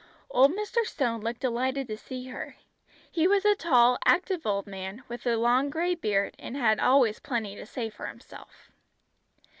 Old Mr. Stone looked delighted to see her. He was a tall, active old man, with a long grey beard, and had always plenty to say for himself.